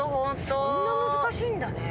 そんな難しいんだね。